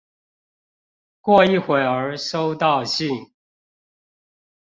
過一會兒收到信